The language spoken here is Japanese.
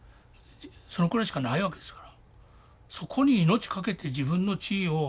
そのくらいしかないわけですから。